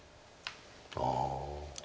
ああ。